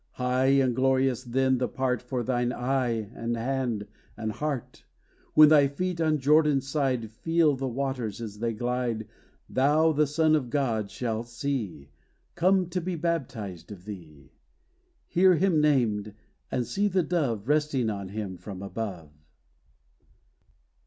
High and glorious, then, the part For thine eye, and hand, and heart! When thy feet, on Jordan's side, Feel the waters, as they glide, Thou the Son of God shalt see, Come to be baptized of thee Hear him named, and see the Dove Resting on him from above!